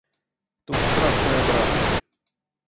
Тут страшная драма.